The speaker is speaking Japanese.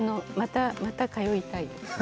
また通いたいです。